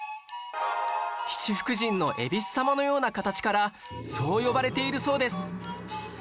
七福神の恵比寿様のような形からそう呼ばれているそうです